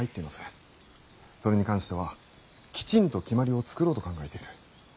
それに関してはきちんと決まりを作ろうと考えている。